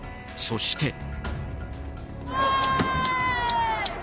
そして。